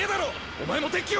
お前も敵機を。